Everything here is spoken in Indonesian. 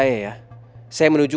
jengelela meledahkanimu untukcloud